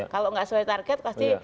kalau nggak sesuai target pasti